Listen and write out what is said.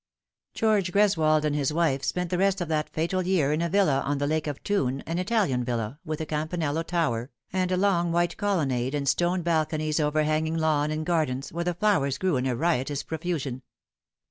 GEORGE GRESWOLD and his wife spent the rest of that fatal year in a villa on the Lake of Thun, an Italian villa, with a campanello tower, and a long white colonnade, and stone bal conies overhanging lawn and gardens, where the flowers grew in a riotous profusion.